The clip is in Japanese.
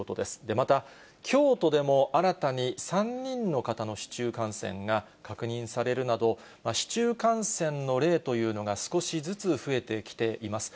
また、京都でも新たに３人の方の市中感染が確認されるなど、市中感染の例というのが、少しずつ増えてきています。